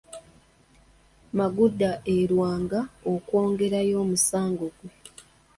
Magunda e Lwanga okwongerayo omusango gwe.